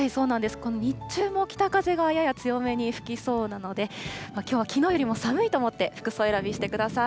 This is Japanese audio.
この日中も北風がやや強めに吹きそうなので、きょうはきのうよりも寒いと思って、服装選びしてください。